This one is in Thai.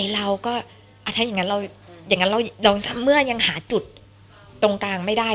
ถ้าอย่างงั้นเรายังหาจุดตรงกลางไม่ได้